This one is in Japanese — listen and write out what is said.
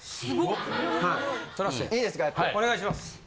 お願いします。